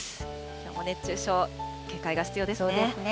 きょうも熱中症、警戒が必要ですね。